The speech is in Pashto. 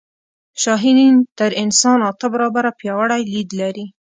شاهین تر انسان اته برابره پیاوړی لید لري